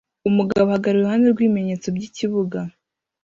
Umugabo ahagarara iruhande rwibimenyetso byikibuga